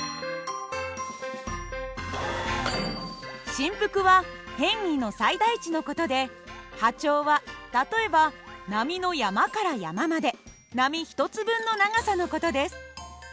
振幅は変位の最大値の事で波長は例えば波の山から山まで波１つ分の長さの事です。